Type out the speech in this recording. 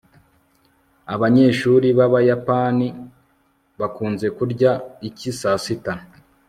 abanyeshuri b'abayapani bakunze kurya iki saa sita